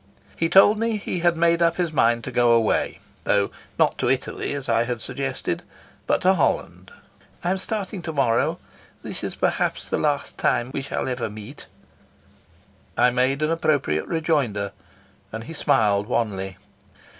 He told me he had made up his mind to go away, though not to Italy, as I had suggested, but to Holland. "I'm starting to morrow. This is perhaps the last time we shall ever meet." I made an appropriate rejoinder, and he smiled wanly.